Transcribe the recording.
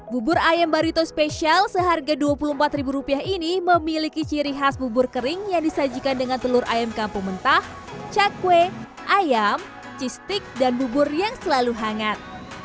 bubur ayam barito spesial seharga dua puluh empat ini memiliki ciri khas bubur kering yang disajikan dengan telur ayam kampung mentah cakwe ayam cistik dan bubur yang selalu hangat